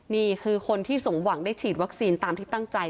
นี่คือคนที่สมหวังได้ฉีดวัคซีนตามที่ตั้งใจ